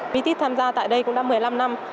biti tham gia tại đây cũng đã một mươi năm năm